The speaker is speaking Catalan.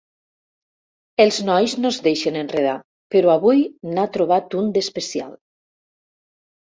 Els nois no es deixen enredar, però avui n'ha trobat un d'especial.